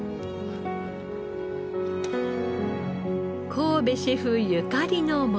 神戸シェフゆかりの桃。